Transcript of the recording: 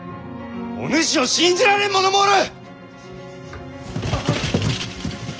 お主を信じられん者もおる！